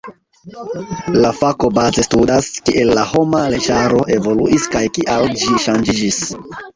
La fako baze studas, kiel la homa leĝaro evoluis kaj kial ĝi ŝanĝiĝis.